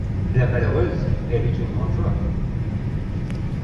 La malheureuse ! elle eut une grande joie.